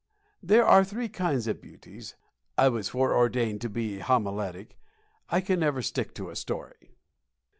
There are three kinds of beauties I was foreordained to be homiletic; I can never stick to a story.